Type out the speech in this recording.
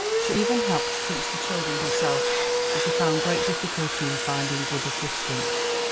She even helped to teach the children herself, as she found great difficulty in finding good assistants.